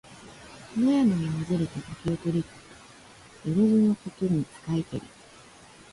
野山にまじりて竹を取りつ、よろづのことに使いけり。